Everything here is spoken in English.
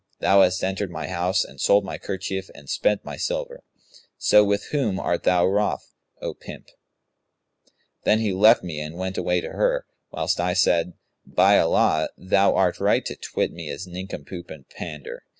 Thou hast entered my house and sold my kerchief and spent my silver: so, with whom art thou wroth, O pimp?'[FN#186] Then he left me and went away to her, whilst I said, 'By Allah, thou art right to twit me as nincompoop and pander!'